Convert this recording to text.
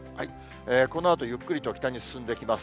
このあとゆっくりと北に進んできます。